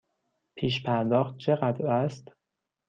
پیش پرداخت چقدر است؟